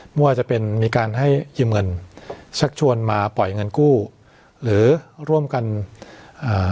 ไม่ว่าจะเป็นมีการให้ยืมเงินชักชวนมาปล่อยเงินกู้หรือร่วมกันอ่า